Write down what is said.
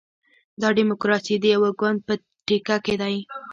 دا ډیموکراسي د یوه ګوند په ټیکه کې ده.